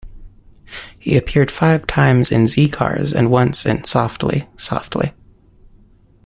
He appeared five times in "Z-Cars" and once in "Softly, Softly".